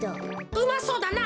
うまそうだな。